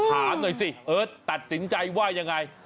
ถามหน่อยสิเอิร์ทตัดสินใจว่ายังไง